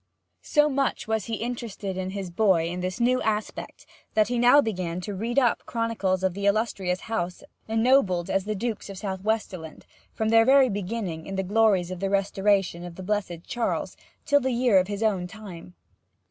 So much was he interested in his boy in this new aspect that he now began to read up chronicles of the illustrious house ennobled as the Dukes of Southwesterland, from their very beginning in the glories of the Restoration of the blessed Charles till the year of his own time.